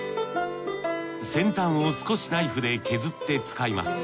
先端を少しナイフで削って使います。